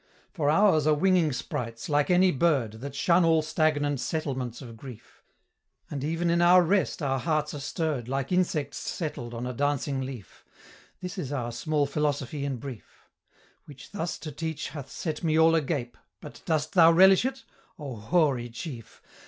"For ours are winging sprites, like any bird, That shun all stagnant settlements of grief; And even in our rest our hearts are stirr'd, Like insects settled on a dancing leaf: This is our small philosophy in brief, Which thus to teach hath set me all agape: But dost thou relish it? O hoary chief!